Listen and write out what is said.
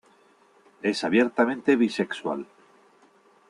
Es abiertamente bisexual.